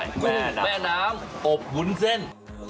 แม่น้ำอบวุ้นเส้น